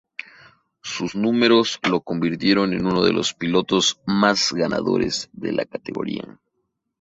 Sus números lo convierten en uno de los pilotos más ganadores de la categoría.